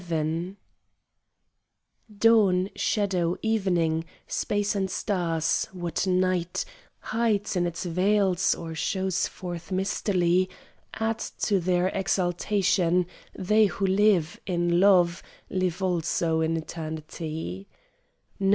XI Dawn, shadow, evening, space and stars; what night Hides in its veils or shows forth mistily, Add to their exaltation; they who live In love, live also in eternity.